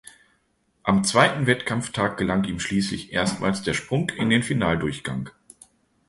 Am zweiten Wettkampftag gelang ihm schließlich erstmals der Sprung in den Finaldurchgang.